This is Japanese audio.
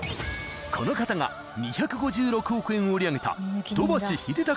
［この方が２５６億円を売り上げた］